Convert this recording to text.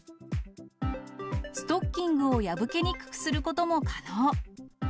ストッキングを破けにくくすることも可能。